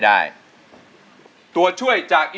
พี่ต้องรู้หรือยังว่าเพลงอะไร